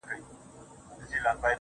چي مي دا خپلي شونډي~